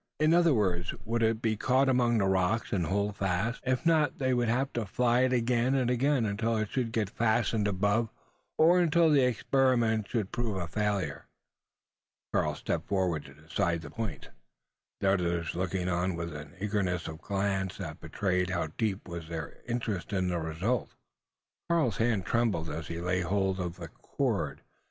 In other words, would it be caught among the rocks, and hold fast? If not, they would have to fly it again and again, until it should get fastened above, or until the experiment should prove a failure. Karl stepped forward to decide the point the others looking on with an eagerness of glance, that betrayed how deep was their interest in the result. Karl's hand trembled as he laid hold of the cord.